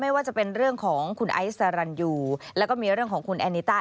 ว่าจะเป็นเรื่องของคุณไอซ์สารันยูแล้วก็มีเรื่องของคุณแอนิต้า